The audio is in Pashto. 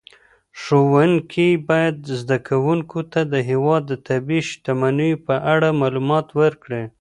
ښوونکي باید زده کوونکو ته د هېواد د طبیعي شتمنیو په اړه معلومات ورکړي.